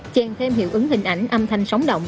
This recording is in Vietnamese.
tràn thêm hiệu ứng hình ảnh âm thanh sóng động